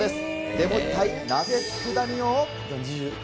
でも一体、なぜつくだ煮を。